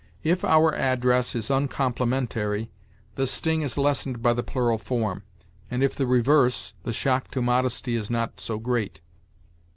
If our address is uncomplimentary, the sting is lessened by the plural form; and if the reverse, the shock to modesty is not so great.